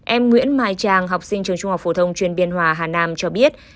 em nguyễn mai trang học sinh trường trung học phổ thông chuyên biên hòa hà nam cho biết